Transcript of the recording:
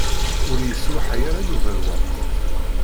Ur yesṛuḥay ara Yuba lweqt.